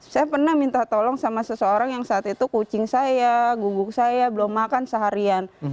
saya pernah minta tolong sama seseorang yang saat itu kucing saya guguk saya belum makan seharian